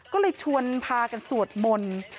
ก็เลยชวนพากันสวดมนต์